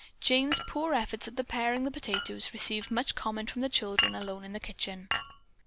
Jane's poor efforts at paring the potatoes received much comment from the children alone in the kitchen.